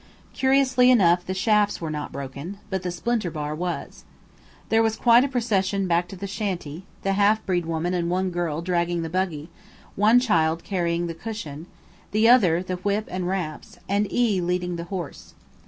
Curiously enough the shafts were not broken, but the splinter bar was. There was quite a procession back to the shanty, the half breed woman and one girl dragging the buggy, one child carrying the cushion, another the whip and wraps, and E leading the horse.